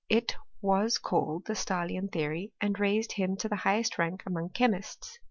It was called the Stahlian theory, and raised him to the highest rank among chemists.